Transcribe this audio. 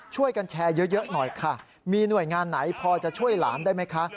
ช่วยกันแชร์เยอะหน่อยค่ะมีหน่วยงานไหนพอจะช่วยหลานได้ไหมคะ